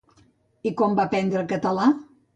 I com va aprendre català?